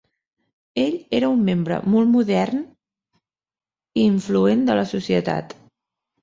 Ell era un membre molt modern i influent de la societat.